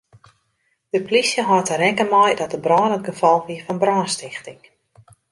De plysje hâldt der rekken mei dat de brân it gefolch wie fan brânstichting.